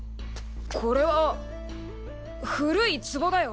これは古いツボだよ。